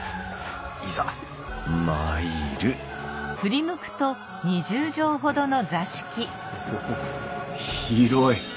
いざ参るおお広い！